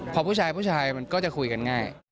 พอผู้ชายมันก็จะคุยกันง่าย